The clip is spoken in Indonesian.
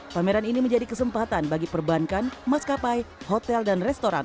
pameran ini menjadi kesempatan bagi perbankan maskapai hotel dan restoran